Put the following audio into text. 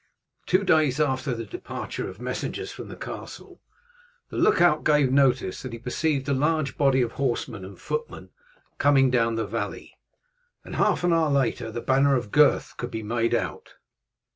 Two days after the departure of the messengers from the castle the look out gave notice that he perceived a large body of horsemen and footmen coming down the valley, and half an hour later the banner of Gurth could be made out.